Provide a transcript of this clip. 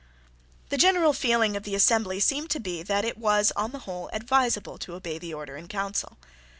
The general feeling of the assembly seemed to be that it was, on the whole, advisable to obey the Order in Council.